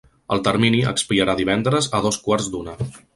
El termini expirarà divendres a dos quarts d’una.